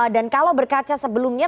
dan kalau berkaca sebelumnya